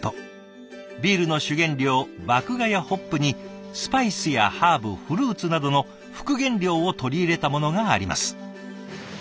ビールの主原料麦芽やホップにスパイスやハーブフルーツなどの副原料を取り入れたものがあります。